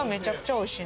おいしい！